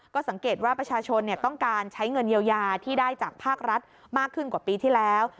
ก็สังเกตว่าประชาชนต้องการใช้เงินเยียวยาที่ได้จากภาครัฐมากขึ้นกว่าปีที่แล้ว